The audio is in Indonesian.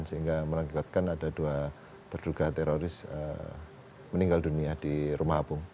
sehingga mengakibatkan ada dua terduga teroris meninggal dunia di rumah apung